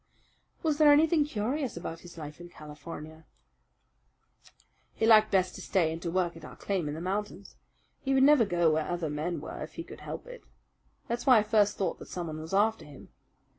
"Was there anything curious about his life in California?" "He liked best to stay and to work at our claim in the mountains. He would never go where other men were if he could help it. That's why I first thought that someone was after him.